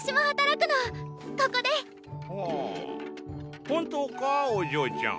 ほお本当かお嬢ちゃん！